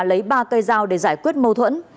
lấy ba cây dao để giải quyết mâu thuẫn